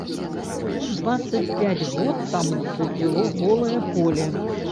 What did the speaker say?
Дваццаць пяць год таму тут было голае поле.